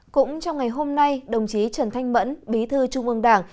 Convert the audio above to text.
cũng trong ngày hôm nay đồng chí trần thanh mẫn bí thư trung ương đảng